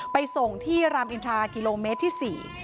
ไปส่งที่รามอินทรากิโลเมตรที่๔